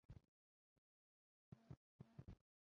康泰卢人口变化图示